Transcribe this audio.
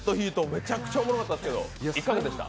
めちゃくちゃ面白かったですけどいかがでした？